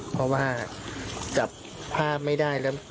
เพราะว่าจับภาพไม่ได้แล้ว